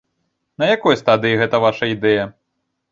На якой стадыі гэта ваша ідэя?